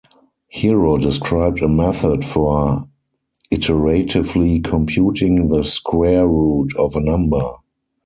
Hero described a method for iteratively computing the square root of a number.